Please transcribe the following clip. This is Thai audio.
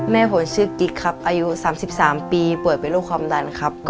แม่ผมชื่อกิ๊กครับอายุ๓๓ปีป่วยเป็นโรคความดันครับ